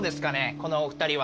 このお二人は。